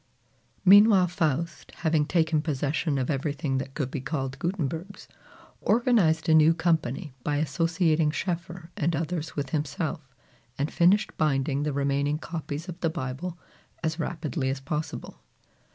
Meanwhile Faust, having taken possession of everything that could be called Gutenberg's, organized a new company by associating Schoeffer and others with himself, and finished binding the remaining copies of the Bible as rapidly as possible.